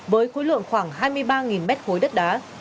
với khối lượng khoảng hai mươi ba m ba đất đá